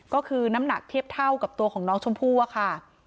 ก็คือน้ำหนักเทียบเท่ากับตัวของน้องชมพู่อะค่ะ